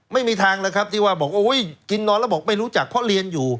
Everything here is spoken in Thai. ไม่มีทางเลยครับที่ว่าบอกกินนอนแล้วบอกไม่รู้จักเพราะเรียนอยู่